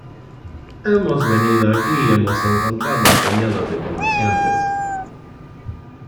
Hemos venido aquí y hemos encontrado un puñado de comerciantes".